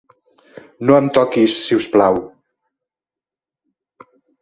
No em toquis, si us plau.